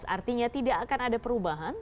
artinya tidak akan ada perubahan